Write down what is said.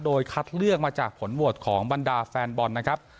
โดยคัดเลือกมาจากผลโหวตของบรรดาแฟนบอลนะครับ